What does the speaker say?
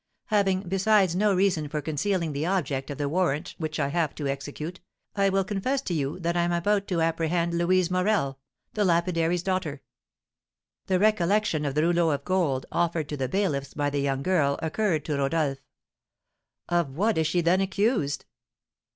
Having, besides, no reason for concealing the object of the warrant which I have to execute, I will confess to you that I am about to apprehend Louise Morel, the lapidary's daughter." The recollection of the rouleau of gold, offered to the bailiffs by the young girl, occurred to Rodolph. "Of what is she then accused?"